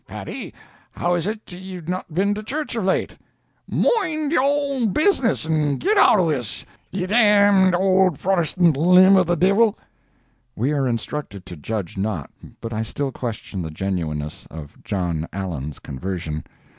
Paddy, how is it ye've not been to the church of late?" "Moind you own business, and get out of this, ye d— ould Protestant limb of the divil!" We are instructed to judge not, but I still question the genuineness of Jno. Allen's conversion.